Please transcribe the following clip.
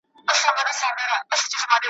کله کله د ځنکدن په وخت کي `